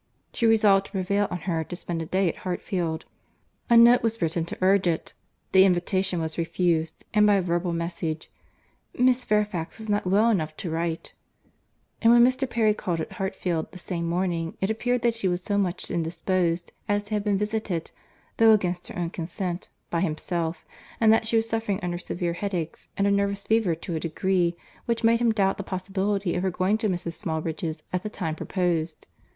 She resolved to prevail on her to spend a day at Hartfield. A note was written to urge it. The invitation was refused, and by a verbal message. "Miss Fairfax was not well enough to write;" and when Mr. Perry called at Hartfield, the same morning, it appeared that she was so much indisposed as to have been visited, though against her own consent, by himself, and that she was suffering under severe headaches, and a nervous fever to a degree, which made him doubt the possibility of her going to Mrs. Smallridge's at the time proposed.